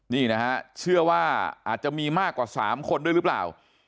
นี่นะฮะเชื่อว่าอาจจะมีมากกว่า๓คนด้วยหรือเปล่า